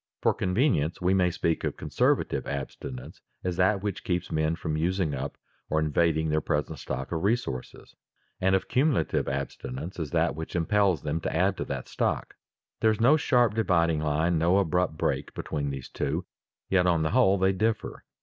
For convenience we may speak of conservative abstinence as that which keeps men from using up or invading their present stock of resources, and of cumulative abstinence as that which impels them to add to that stock. There is no sharp dividing line, no abrupt break, between these two, yet on the whole they differ.